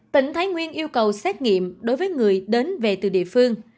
tỉnh thái nguyên yêu cầu xét nghiệm đối với người đến về từ địa phương